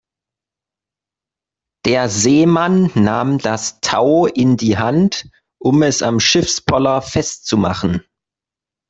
Der Seemann nahm das Tau in die Hand, um es am Schiffspoller festzumachen.